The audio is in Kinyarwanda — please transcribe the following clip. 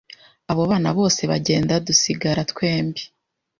abo bana bose bagenda dusigara twembi